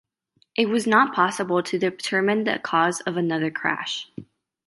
It was not possible to determine the cause of another crash.